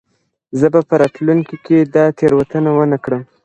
زه به په راتلونکې کې دا تېروتنه ونه کړم.